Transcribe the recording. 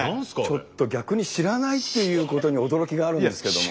ちょっと逆に知らないっていうことに驚きがあるんですけども。